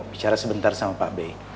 bicara sebentar sama pak be